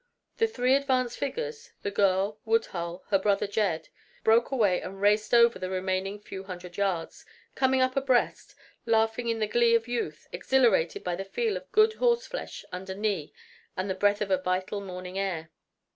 The three advance figures the girl, Woodhull, her brother Jed broke away and raced over the remaining few hundred yards, coming up abreast, laughing in the glee of youth exhilarated by the feel of good horseflesh under knee and the breath of a vital morning air.